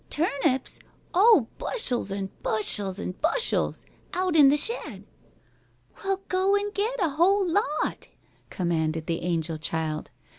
"Turnips? Oh, bushels an' bushels an' bushels! Out in the shed." "Well, go an' get a whole lot," commanded the angel child.